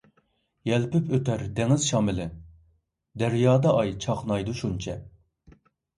يەلپۈپ ئۆتەر دېڭىز شامىلى، دەريادا ئاي چاقنايدۇ شۇنچە.